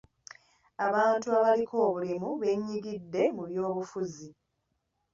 Abantu abaliko obulemu beenyigidde mu byobufuzi.